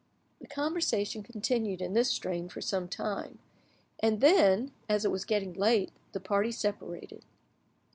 The conversation continued in this strain for some time, and then, as it was getting late, the party separated.